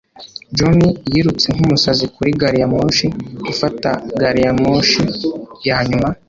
John yirutse nkumusazi kuri gari ya moshi gufata gari ya moshi ya nyuma.